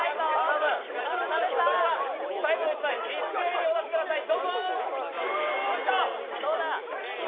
それでは最後の１枚、一斉にお出しください。